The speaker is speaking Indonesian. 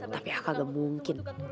tapi ya kagak mungkin